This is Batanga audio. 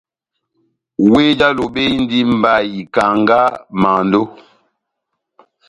Wéh já Lobe indi mbayi, kanga, mando,